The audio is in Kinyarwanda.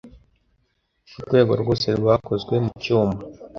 Urwego rwose rwakozwe mucyuma.